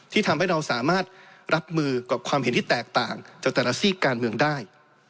ทำให้เราสามารถรับมือกับความเห็นที่แตกต่างจากแต่ละซีกการเมืองได้